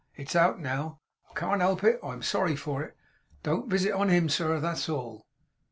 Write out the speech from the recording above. It's out now. I can't help it. I'm sorry for it. Don't wisit on him, sir, that's all.